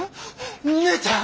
姉ちゃん！